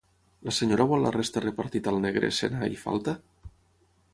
La senyora vol la resta repartit al negre, senar i falta?